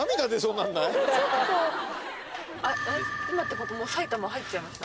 今ってここもう埼玉入っちゃいました？